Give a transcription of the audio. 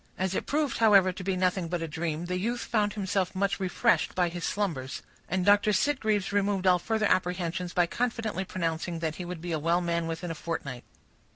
As it proved, however, to be nothing but a dream, the youth found himself much refreshed by his slumbers; and Dr. Sitgreaves removed all further apprehensions by confidently pronouncing that he would be a well man within a fortnight.